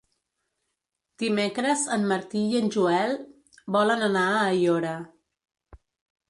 Dimecres en Martí i en Joel volen anar a Aiora.